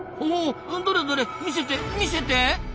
どれどれ見せて見せて。